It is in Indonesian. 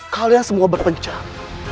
kalian semua berpencang